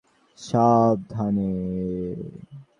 সাবধানে।